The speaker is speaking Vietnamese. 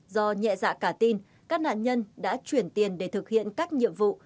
do nhẹ dạ cả tin các nạn nhân đã chuyển tiền để thực hiện các nhiệm vụ